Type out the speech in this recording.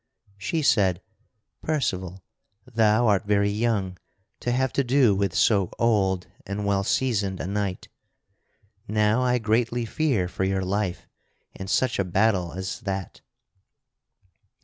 She said: "Percival, thou art very young to have to do with so old and well seasoned a knight. Now I greatly fear for your life in such a battle as that."